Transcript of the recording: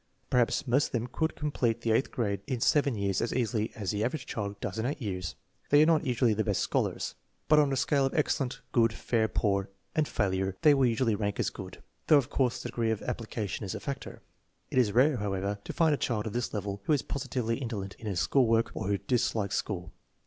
Perhaps most of them could complete the eight grades in seven years as easily as the average child does in eight years. They are not usually the best scholars, but on a scale of excellent, good, fair, poor, and failure they will usually rank as good, though of course the degree of application is a factor. It is rare, however, to find a child of this level who is positively indolent in his school work or who dislikes school.